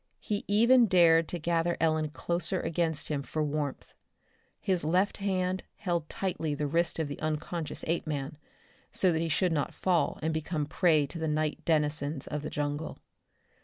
He even dared to gather Ellen closer against him for warmth. His left hand held tightly the wrist of the unconscious Apeman, so that he should not fall and become prey of the night denizens of the jungle.